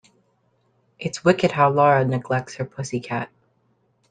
It's wicked how Lara neglects her pussy cat.